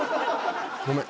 ごめん。